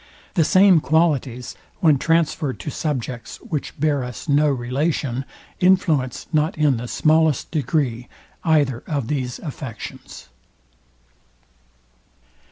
The same qualities, when transfered to subjects, which bear us no relation, influence not in the smallest degree either of these affections.